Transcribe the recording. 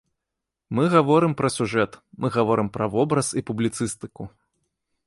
Мы гаворым пра сюжэт, мы гаворым пра вобраз і публіцыстыку.